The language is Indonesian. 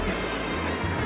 jangan makan aku